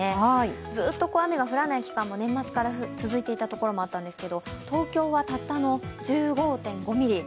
ずっと雨が降らない期間も年末から続いていたところもあったんですけど東京は、たったの１５．５ミリ。